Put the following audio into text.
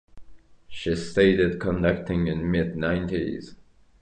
She started conducting in mid nineties.